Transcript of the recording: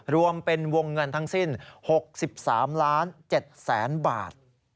รวมเป็นวงเงินทั้งสิ้น๖๓๗๐๐๐๐บาท